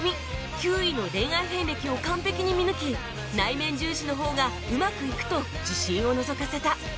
休井の恋愛遍歴を完璧に見抜き内面重視の方がうまくいくと自信をのぞかせた